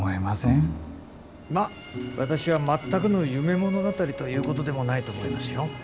まあ私は全くの夢物語ということでもないと思いますよ。